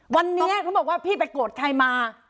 วันนี้เขาบอกว่าพี่ไปโกรธใครมา